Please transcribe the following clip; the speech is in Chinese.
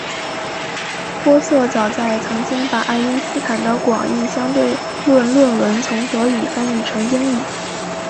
玻色早前曾经把爱因斯坦的广义相对论论文从德语翻译成英语。